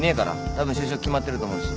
たぶん就職決まってると思うし。